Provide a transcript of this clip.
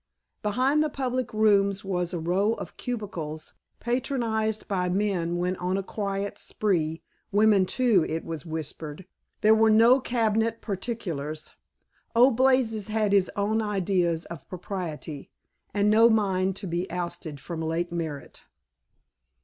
Behind the public rooms was a row of cubicles patronized by men when on a quiet spree (women, too, it was whispered). There were no cabinet particuliers. Old Blazes had his own ideas of propriety; and no mind to be ousted from Lake Merritt.